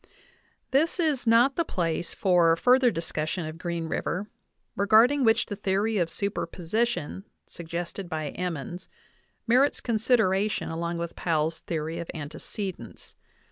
This is not the place for further discussion of Green River, regarding which the theory of superposition suggested by Em mons merits consideration along with Powell's theory of ante cedence.